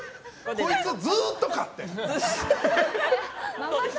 こいつ、ずっとかって。